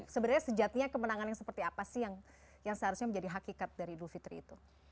sebenarnya sejatinya kemenangan yang seperti apa sih yang seharusnya menjadi hakikat dari idul fitri itu